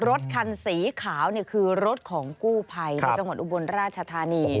รถคันสีขาวคือรถของกู้ภัยในจังหวัดอุบลราชธานี